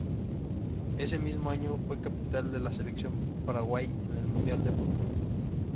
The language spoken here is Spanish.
Ese mismo año fue capitán de la Selección Paraguay en el Mundial de Fútbol.